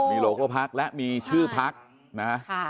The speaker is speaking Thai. มีโลโก้พักและมีชื่อพักนะ